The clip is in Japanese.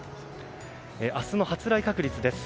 明日の発雷確率です。